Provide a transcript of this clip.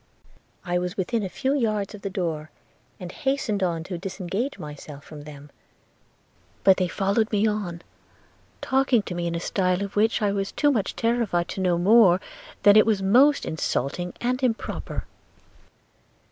I was within a few yards of the door, and hastened on to disengage myself from them; but they followed me on, talking to me in a style of which I was too much terrified to know more than that it was most insulting and improper.